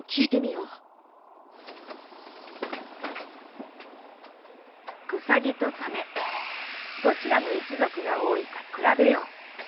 「うさぎとサメどちらの一ぞくが多いかくらべよう。